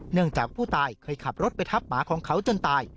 จากผู้ตายเคยขับรถไปทับหมาของเขาจนตาย